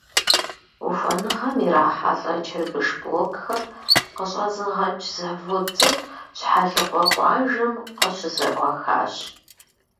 Ухуэныгъэм ирахьэлӏэ чырбыш блокхэр къыщӏэзыгъэкӏ завод цӏыкӏу Щхьэлыкъуэ къуажэм къыщызэӏуахащ.